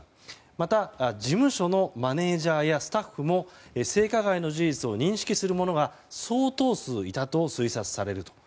また、事務所のマネジャーやスタッフも性加害の事実を認識する者が相当数いたと推察されると。